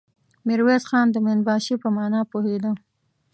ميرويس خان د مين باشي په مانا پوهېده.